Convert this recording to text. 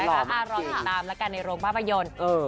เออนะคะลองยิงตามละกันในโรงภาพยนตร์